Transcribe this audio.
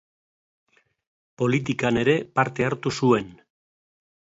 Politikan ere parte hartu zuen.